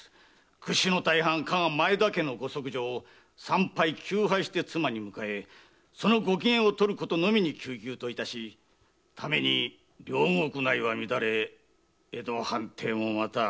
屈指の大藩・加賀前田家のご息女を三拝九拝して妻に迎えその御機嫌を取ることのみに汲々といたしために領国内は乱れ江戸藩邸もまた。